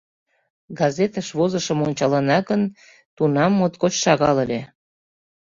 Газетыш возышым ончалына гын, тунам моткоч шагал ыле.